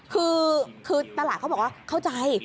คือตลาดเขาบอกว่าเข้าใจ